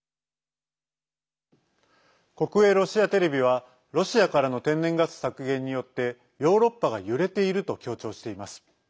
国営ロシアテレビはロシアからの天然ガス削減によってヨーロッパが揺れていると強調しています。